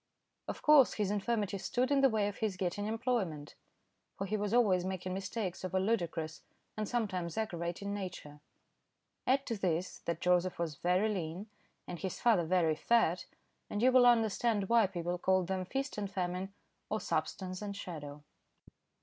Of course his infirmity stood in the way of his getting employment, for he was always making mistakes of a ludicrous and sometimes aggravating nature. Add to this that Joseph was very lean and his father very fat, and you will understand why people called them "Feast and Famine," or "Substance and Shadow."